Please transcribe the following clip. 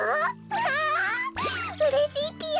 わあうれしいぴよ！